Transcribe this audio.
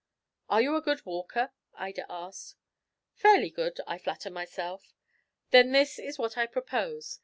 "Are you a good walker?" Ida asked. "Fairly good, I flatter myself." "Then this is what I propose.